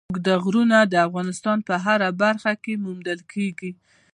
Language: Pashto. اوږده غرونه د افغانستان په هره برخه کې موندل کېږي.